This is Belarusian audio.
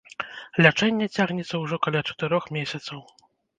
Лячэнне цягнецца ўжо каля чатырох месяцаў.